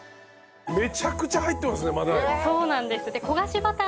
めちゃくちゃ入ってますねバター。